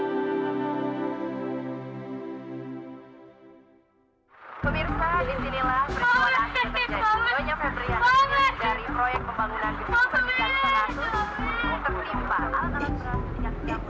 wk banjung film